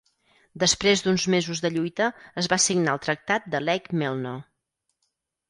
Després d'uns mesos de lluita, es va signar el Tractat de Lake Melno.